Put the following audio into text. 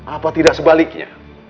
apa tidak sebaliknya